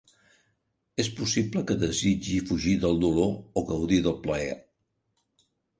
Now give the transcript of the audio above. És possible que desitgi fugir del dolor o gaudir del plaer.